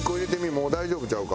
もう大丈夫ちゃうか？